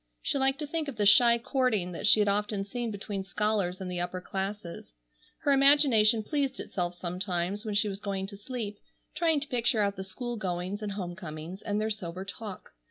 She liked to think of the shy courting that she had often seen between scholars in the upper classes. Her imagination pleased itself sometimes when she was going to sleep, trying to picture out the school goings and home comings, and their sober talk.